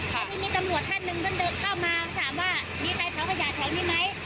แก๊สทางแก๊วที่ข้าหน่อยได้ไหม